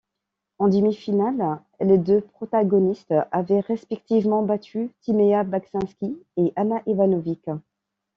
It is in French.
En demi-finale, les deux protagonistes avaient respectivement battu Timea Bacsinszky et Ana Ivanović.